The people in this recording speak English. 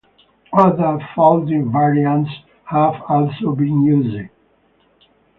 Other folding variants have also been issued.